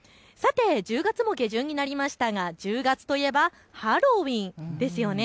さて１０月も下旬になりましたが１０月といえばハロウィーンですよね。